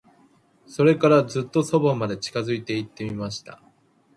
それから、ずっと側まで近づいて行ってみました。